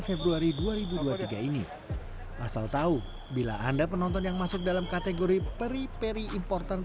februari dua ribu dua puluh tiga ini asal tahu bila anda penonton yang masuk dalam kategori peri peri important